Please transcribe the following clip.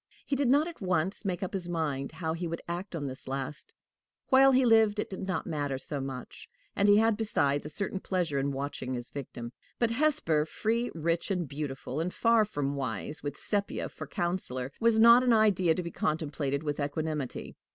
He did not at once make up his mind how he would act on this last; while he lived, it did not matter so much; and he had besides a certain pleasure in watching his victim. But Hesper, free, rich, and beautiful, and far from wise, with Sepia for counselor, was not an idea to be contemplated with equanimity.